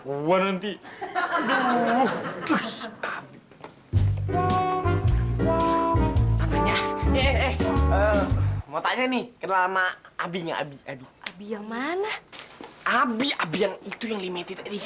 gua nanti aduh abisnya nih kenal sama abinya abi abi yang mana abi abi yang itu yang limited